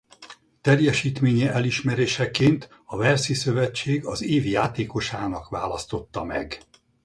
Teljesítménye elismeréseként a walesi szövetség az év játékosának választotta meg.